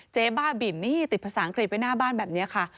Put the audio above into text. เจ๊บ้าบินนี่ติดภาษาอังกฤษไว้หน้าบ้านแบบนี้ค่ะ